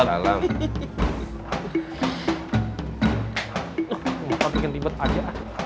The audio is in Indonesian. maksudnya bikin ribet aja